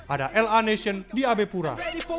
ada la nation di abe pura